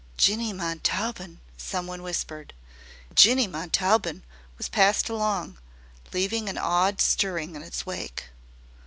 "Jinny Montaubyn!" someone whispered. And "Jinny Montaubyn" was passed along, leaving an awed stirring in its wake.